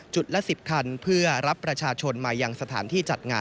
ละ๑๐คันเพื่อรับประชาชนมายังสถานที่จัดงาน